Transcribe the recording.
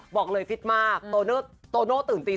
บอกเลยฟิตมากโตโน่ตื่นตี๒